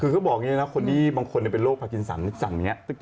คือเขาบอกอย่างนี้นะคนที่บางคนเป็นโรคพากินสันนิษั่นอย่างนี้